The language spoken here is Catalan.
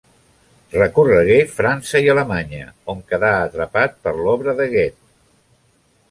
Recorregué França i Alemanya, on quedà atrapat per l'obra de Goethe.